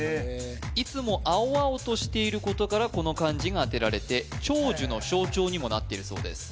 いつも青々としていることからこの漢字があてられて長寿の象徴にもなっているそうです